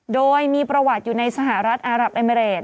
โดยมีประวัติอยู่ในสหรัฐอารับเอเมริด